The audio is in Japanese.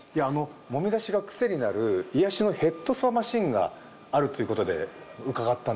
もみ出しがクセになる癒やしのヘッドスパマシンがあるっていうことで伺ったんですけど。